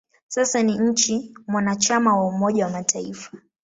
Sasa ni nchi mwanachama wa Umoja wa Mataifa.